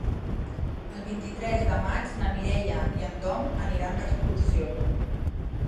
El vint-i-tres de maig na Mireia i en Tom aniran d'excursió.